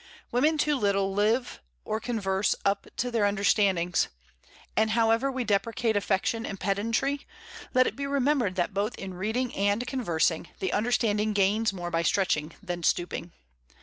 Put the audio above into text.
Women too little live or converse up to their understandings; and however we deprecate affectation and pedantry, let it be remembered that both in reading and conversing, the understanding gains more by stretching than stooping.